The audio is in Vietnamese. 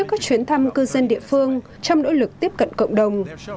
đã tổ chức các chuyến thăm cư dân địa phương trong nỗ lực tiếp cận cộng đồng